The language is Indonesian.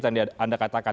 tandai anda katakan